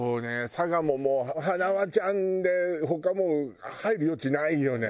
佐賀ももうはなわちゃんで他もう入る余地ないよね。